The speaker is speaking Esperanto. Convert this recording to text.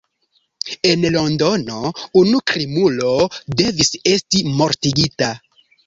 En Londono unu krimulo devis esti mortigita.